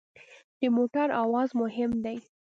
د موټر اواز مهم دی.